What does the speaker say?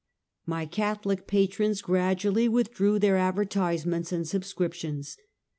My Catholic patrons gradually withdrew their ad vertisements and subscriptions.